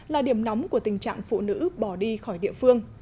là điểm nóng của tình trạng phụ nữ bỏ đi khỏi địa phương